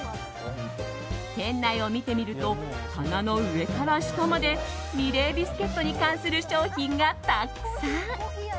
店内を見てみると棚の上から下までミレービスケットに関する商品がたくさん。